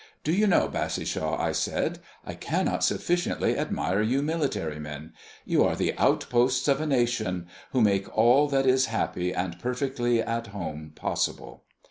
"Do you know, Bassishaw," I said, "I cannot sufficiently admire you military men. You are the outposts of a nation, who make all that is happy and peaceful at home possible.